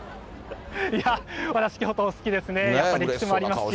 私、京都好きですね、歴史もありますし。